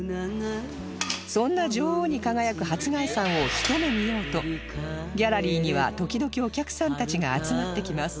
そんな女王に輝く初谷さんをひと目見ようとギャラリーには時々お客さんたちが集まってきます